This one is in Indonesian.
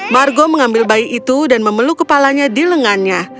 margo mengambil bayi itu dan memeluk kepalanya di lengannya